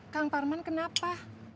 kang parman kenapa